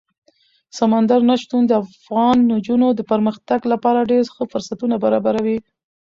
سمندر نه شتون د افغان نجونو د پرمختګ لپاره ډېر ښه فرصتونه برابروي.